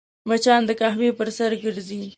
مچان د قهوې پر سر ګرځي